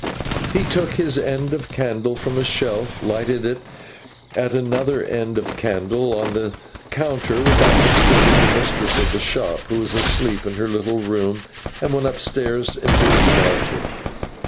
He took his end of candle from a shelf, lighted it at another end of candle on the counter, without disturbing the mistress of the shop who was asleep in her little room, and went upstairs into his lodging.